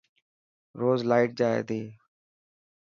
روز لائٽ جائي تي.